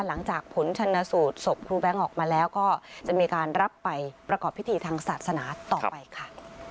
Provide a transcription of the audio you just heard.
หลังจากผลชนสูตรศพครูแบงค์ออกมาแล้วก็จะมีการรับไปประกอบพิธีทางศาสนาต่อไปค่ะ